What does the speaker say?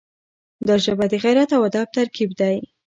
دا ژبه د غیرت او ادب ترکیب دی.